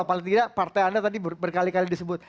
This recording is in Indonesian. paling tidak partai anda tadi berkali kali disebut